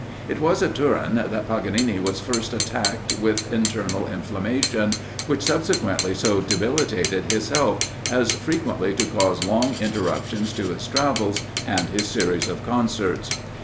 It was at Turin that Paganini was first attacked with internal inflammation, which subsequently so debilitated his health, as frequently to cause long interruptions to his travels, and his series of concerts.